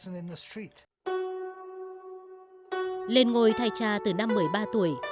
lên ngôi thay cha từ năm một mươi ba tuổi